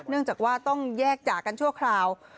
เนื่องจากว่าต้องแยกจากกันชั่วคราว